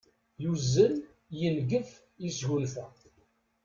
Yuzzel, yengef, yesgunfa.